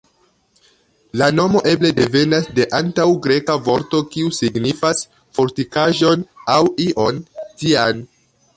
La nomo eble devenas de antaŭ-Greka vorto kiu signifas "fortikaĵon" aŭ ion tian.